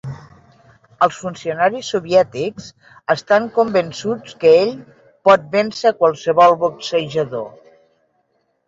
Els funcionaris soviètics estan convençuts que ell pot vèncer a qualsevol boxejador.